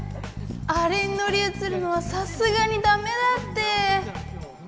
あれに乗り移るのはさすがにダメだって。